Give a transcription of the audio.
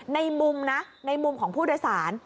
ในมุมนะในมุมของผู้โดยสาร